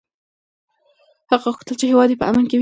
هغه غوښتل چې هېواد یې په امن کې وي.